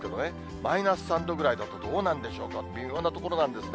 マイナス３度ぐらいだとどうなんでしょうか、微妙なところなんですが。